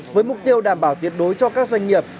với mục tiêu đảm bảo tuyệt đối cho các doanh nghiệp